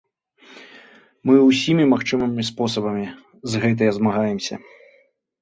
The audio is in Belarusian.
Мы ўсімі магчымымі спосабамі з гэтыя змагаемся.